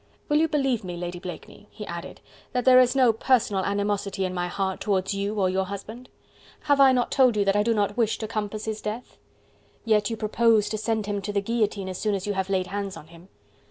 "Will you believe me, Lady Blakeney?" he added, "that there is no personal animosity in my heart towards you or your husband? Have I not told you that I do not wish to compass his death?" "Yet you propose to send him to the guillotine as soon as you have laid hands on him."